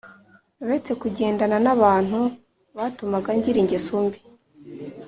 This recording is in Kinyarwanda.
Naretse kugendana n ‘abantu batumaga ngira ingeso mbi.